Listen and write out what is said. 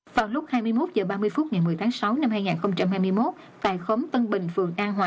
vào lúc hai mươi một h ba mươi phút ngày một mươi tháng sáu năm hai nghìn hai mươi một tại khóm tân bình phường an hòa